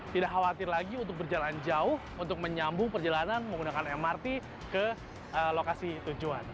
tidak khawatir lagi untuk berjalan jauh untuk menyambung perjalanan menggunakan mrt ke lokasi tujuan